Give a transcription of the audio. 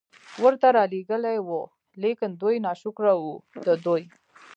ورته را ليږلي وو، ليکن دوی ناشکره وو، د دوی